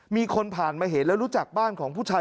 มีคนผ่านมาเห็นแล้วรู้จักบ้านของผู้ชาย